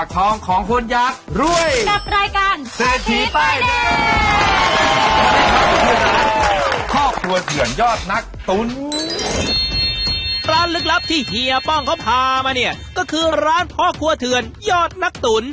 ลึกลับที่เฮียป้องเขาพามาเนี่ยก็คือร้านพ่อครัวเถื่อนยอดนักตุ๋น